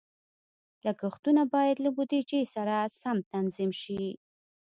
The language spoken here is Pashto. لګښتونه باید له بودیجې سره سم تنظیم شي.